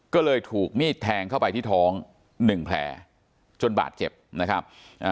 ก็เลยถูกมีดแทงเข้าไปที่ท้องหนึ่งแผลจนบาดเจ็บนะครับ